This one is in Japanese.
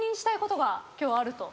今日あると。